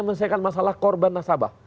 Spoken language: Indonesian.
mencahaya masalah korban nasabah